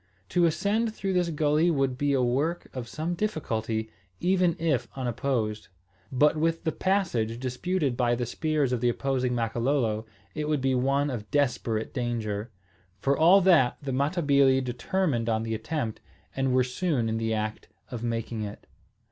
To ascend through this gulley would be a work of some difficulty, even if unopposed. But with the passage disputed by the spears of the opposing Makololo, it would be one of desperate danger. For all that, the Matabili determined on the attempt, and were soon in the act of making it.